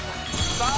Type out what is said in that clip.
さあ